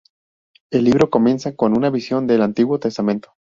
El libro comienza con una visión del Antiguo Testamento.